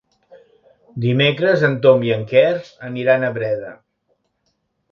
Dimecres en Tom i en Quer aniran a Breda.